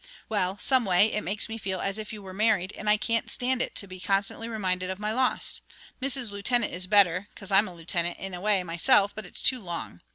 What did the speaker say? "Well, some way, it makes me feel as if you were married, and I can't stand it to be constantly reminded of my loss. 'Mrs. Lieutenant' is better, 'cause I'm a lieutenant, in a way, myself, but it's too long.